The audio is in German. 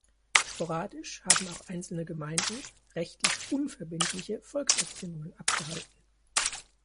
Sporadisch haben auch einzelne Gemeinden rechtlich unverbindliche Volksabstimmungen abgehalten.